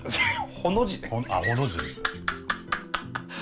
ほの字か。